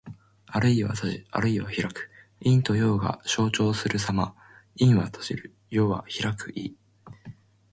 あるいは閉じ、あるいは開く。陰と陽が消長するさま。「闔」は閉じる。「闢」は開く意。